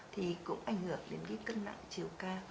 thì cũng ảnh hưởng đến cái cân nặng chiều cao